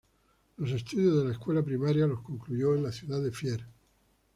Los estudios de la escuela primaria, los concluyó en la ciudad de Fier.